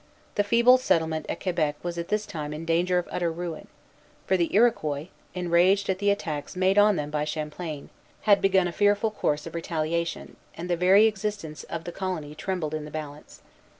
The feeble settlement at Quebec was at this time in danger of utter ruin; for the Iroquois, enraged at the attacks made on them by Champlain, had begun a fearful course of retaliation, and the very existence of the colony trembled in the balance.